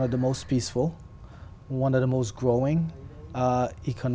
tôi là một trường hợp